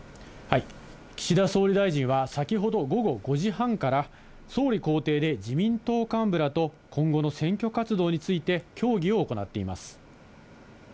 岸田総理大臣は、先ほど午後５時半から、総理公邸で自民党幹部らと、今後の選挙活動について協議を行っています。